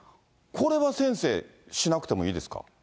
これは先生、しなくてもいいです